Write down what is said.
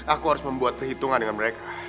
aku harus membuat perhitungan dengan mereka